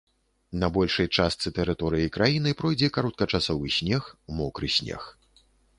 На большай частцы тэрыторыі краіны пройдзе кароткачасовы снег, мокры снег.